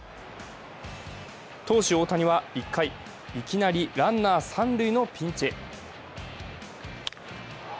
投手・大谷は１回、いきなりランナー三塁のピンチ。